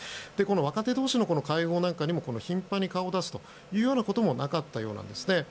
若手同士の会合なんかにも頻繁に顔を出すというようなこともなかったようなんですね。